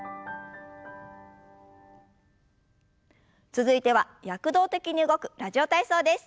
続いては躍動的に動く「ラジオ体操」です。